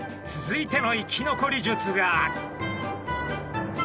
続いての生き残り術が。